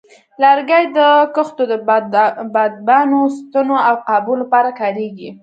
لرګي د کښتو د بادبانو، ستنو، او قابو لپاره کارېږي.